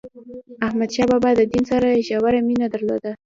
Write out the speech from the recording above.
احمد شاه بابا د دین سره ژوره مینه درلوده.